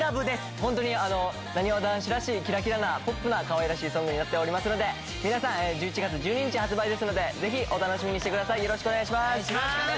本当になにわ男子らしい、きらきらな、ポップなかわいらしいソングになっておりますので、皆さん、１１がつ１２日発売ですので、ぜひお楽しみにしてくださお願いします。